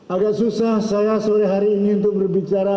agak susah saya sore hari ini untuk berbicara